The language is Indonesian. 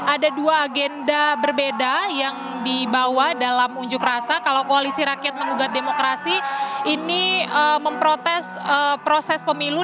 ada dua agenda berbeda yang dibawa dalam unjuk rasa kalau koalisi rakyat mengugat demokrasi ini memprotes proses pemilu